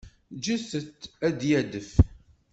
Ǧǧet-t ad d-yadef.